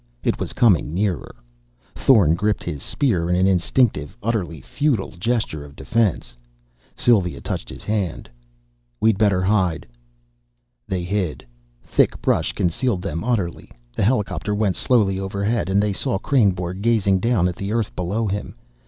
It was coming nearer. Thorn gripped his spear in an instinctive, utterly futile gesture of defense. Sylva touched his hand. "We'd better hide." They hid. Thick brush concealed them utterly. The helicopter went slowly overhead, and they saw Kreynborg gazing down at the earth below him.